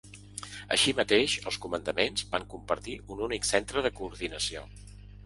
Així mateix, els comandaments van compartir un únic centre de coordinació.